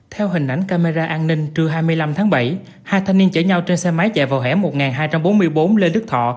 theo hình ảnh camera an ninh trưa hai mươi năm tháng bảy hai thanh niên chở nhau trên xe máy chạy vào hẻm một nghìn hai trăm bốn mươi bốn lê đức thọ